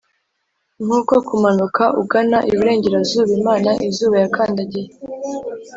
nkuko kumanuka ugana iburengerazuba imana-izuba yakandagiye,